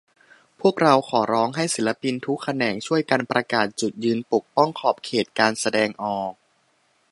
พวกเราขอร้องให้ศิลปินทุกแขนง ช่วยกันประกาศจุดยืน ปกป้องขอบเขตการแสดงออก